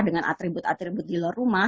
dengan atribut atribut di luar rumah